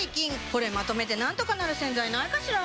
これまとめてなんとかなる洗剤ないかしら？